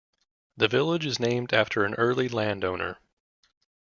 The village is named after an early landowner.